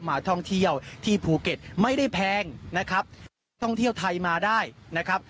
มาท่องเที่ยวที่ภูเก็ตไม่ได้แพงนะครับท่องเที่ยวไทยมาได้นะครับ